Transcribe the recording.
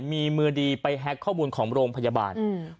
มีมือดีไปแฮ็กข้อมูลของโรงพยาบาล